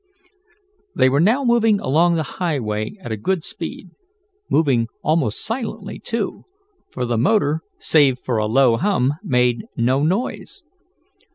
They were now moving along the highway at a good speed moving almost silently, too, for the motor, save for a low hum, made no noise.